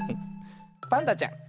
パンダちゃん